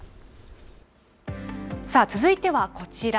さあ、続いてはこちら。